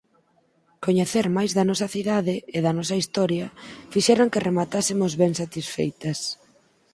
coñecer máis da nosa cidade e da nosa historia fixeran que rematásemos ben satisfeitas